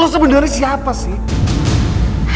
lo sebenernya siapa sih